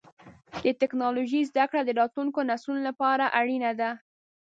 د ټکنالوجۍ زدهکړه د راتلونکو نسلونو لپاره اړینه ده.